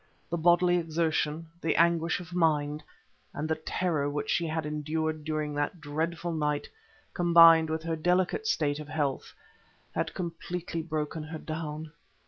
The bodily exertion, the anguish of mind, and the terror which she had endured during that dreadful night, combined with her delicate state of health, had completely broken her down.